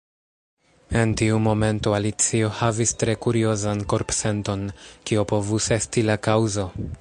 En tiu momento Alicio havis tre kuriozan korpsenton. Kio povus esti la kaŭzo?